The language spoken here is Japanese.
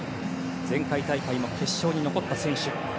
前回大会も決勝に残った選手。